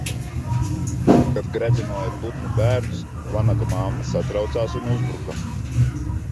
Kad gredzenoja putnu bērnus, vanagu mamma satraucās un uzbruka